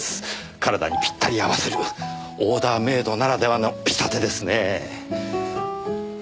体にピッタリ合わせるオーダーメードならではの仕立てですねえ。